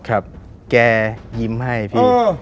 ครับแกยิ้มให้พี่